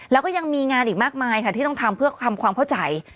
แล้วก็ยังมีงานอีกมากมายค่ะที่ต้องทำเพื่อทำความเข้าใจ